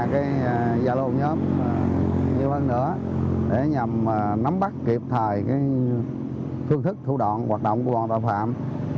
cái gia lô nhóm nhiều hơn nữa để nhằm nắm bắt kịp thời phương thức thủ đoạn hoạt động của bọn tội phạm